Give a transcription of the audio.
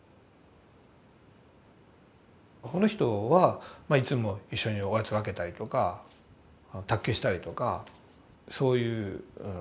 その人はいつも一緒におやつ分けたりとか卓球したりとかそういう人で。